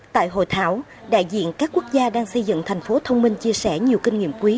tại hội thảo đại diện các quốc gia đang xây dựng thành phố thông minh chia sẻ nhiều kinh nghiệm quý